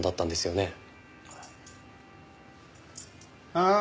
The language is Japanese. ああ？